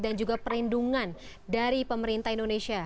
dan juga perlindungan dari pemerintah indonesia